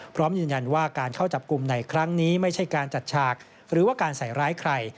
พร้อมยืนยันว่าการเข้าจับกลุ่มในครั้งนี้ไม่ใช่การจัดฉากหรือว่าการใส่ร้ายใคร